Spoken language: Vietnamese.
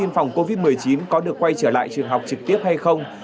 phòng covid một mươi chín có được quay trở lại trường học trực tiếp hay không